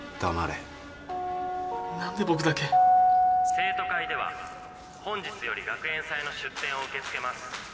「生徒会では本日より学園祭の出店を受け付けます。